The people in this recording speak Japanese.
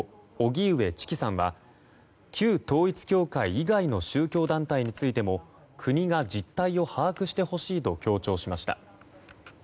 荻上チキさんは旧統一教会以外の宗教団体についても国が実態を把握してほしいと強調しました。